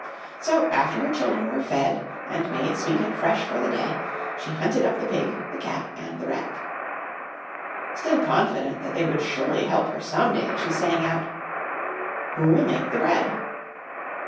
So after her children were fed and made sweet and fresh for the day, she hunted up the Pig, the Cat and the Rat. Still confident that they would surely help her some day she sang out, "Who will make the bread?"